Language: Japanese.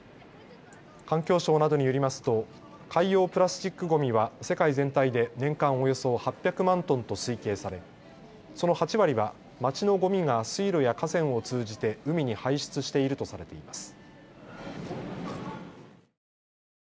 環境省などによりますと海洋プラスチックごみは世界全体で年間およそ８００万トンと推計され、その８割は街のごみが水路や河川を通じて海に排出しているとされています。